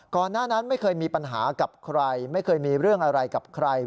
หน้านั้นไม่เคยมีปัญหากับใครไม่เคยมีเรื่องอะไรกับใคร